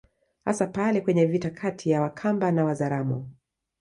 Hasa pale kwenye vita kati ya Wakamba na Wazaramo